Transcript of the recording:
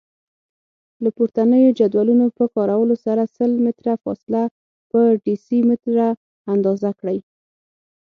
له پورتنیو جدولونو په کارولو سره سل متره فاصله په ډیسي متره اندازه کړئ.